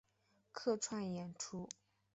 客串演出